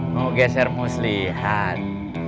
mau geser muslihan